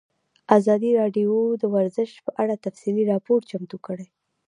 ازادي راډیو د ورزش په اړه تفصیلي راپور چمتو کړی.